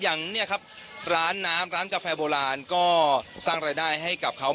อย่างเนี่ยครับร้านน้ำร้านกาแฟโบราณก็สร้างรายได้ให้กับเขา